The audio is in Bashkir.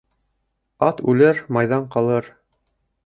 Ат үлер, майҙан ҡалыр